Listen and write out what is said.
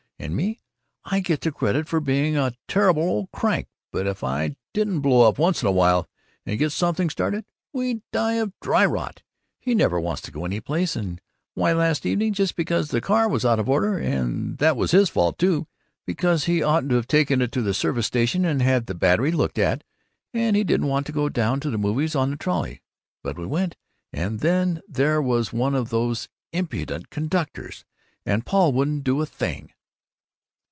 And me, I get the credit for being a terrible old crank, but if I didn't blow up once in a while and get something started, we'd die of dry rot. He never wants to go any place and Why, last evening, just because the car was out of order and that was his fault, too, because he ought to have taken it to the service station and had the battery looked at and he didn't want to go down to the movies on the trolley. But we went, and then there was one of those impudent conductors, and Paul wouldn't do a thing.